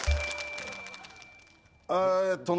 えっとね